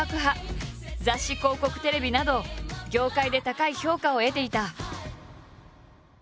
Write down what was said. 雑誌広告テレビなど業界で高い評価を得ていた。